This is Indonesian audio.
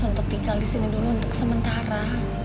untuk tinggal disini dulu untuk sementara